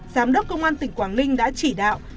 giám đốc công an tỉnh quảng ninh đã chỉ đạo